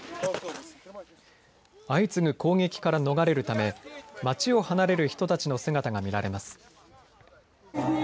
相次ぐ攻撃から逃れるため街を離れる人たちの姿が見られます。